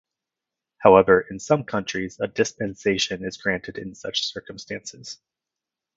However, in some countries a dispensation is granted in such circumstances.